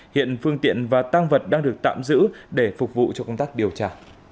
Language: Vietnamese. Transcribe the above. hiện phương tiện và tăng vật đang được tạm giữ để phục vụ cho công tác điều tra